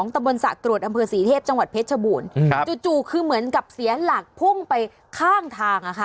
ตะบนสะกรวดอำเภอศรีเทพจังหวัดเพชรชบูรณ์จู่คือเหมือนกับเสียหลักพุ่งไปข้างทางอะค่ะ